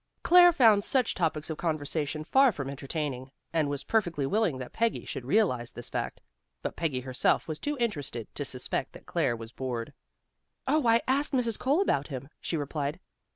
Claire found such topics of conversation far from entertaining, and was perfectly willing that Peggy should realize this fact. But Peggy herself was too interested to suspect that Claire was bored. "Oh, I asked Mrs. Cole about him," she replied.